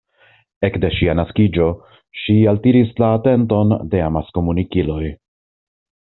Ekde ŝia naskiĝo ŝi altiris la atenton de amaskomunikiloj.